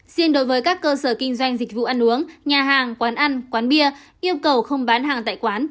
riêng đối với các cơ sở kinh doanh dịch vụ ăn uống nhà hàng quán ăn quán bia yêu cầu không bán hàng tại quán